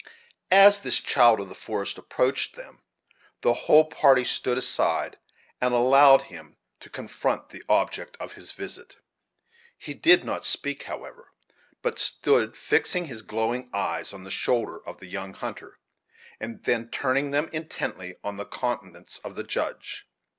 As this child of the forest approached them, the whole party stood aside, and allowed him to confront the object of his visit. He did not speak, however, but stood fixing his glowing eyes on the shoulder of the young hunter, and then turning them intently on the countenance of the Judge.